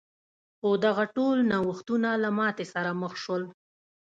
خو دغه ټول نوښتونه له ماتې سره مخ شول.